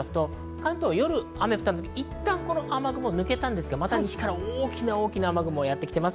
関東は夜、雨が降って、いったん雨雲は抜けたんですが、また西から大きな雨雲がやってきています。